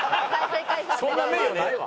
そんな名誉ないわ！